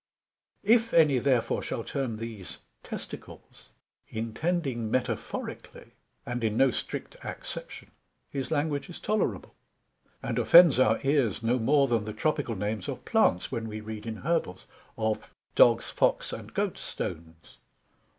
If any therefore shall term these testicles, intending metaphorically, and in no strict acception; his language is tolerable, and offends our ears no more then the Tropical names of Plants: when we read in Herbals, of Dogs, Fox, and Goat stones.